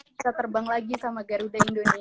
bisa terbang lagi sama garuda indonesia